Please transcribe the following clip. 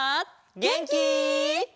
げんき？